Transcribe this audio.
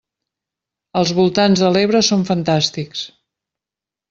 Els voltants de l'Ebre són fantàstics!